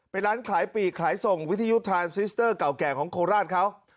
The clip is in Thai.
เป็นร้านขายปีกขายส่งวิทยุทรานซิสเตอร์เก่าแก่ของโคราชเขา